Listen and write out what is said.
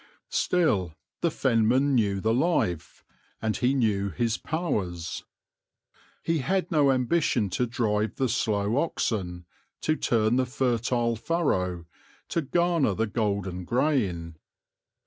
Still the Fenman knew the life, and he knew his powers. He had no ambition to drive the slow oxen, to turn the fertile furrow, to garner the golden grain.